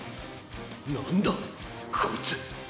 何だこいつ。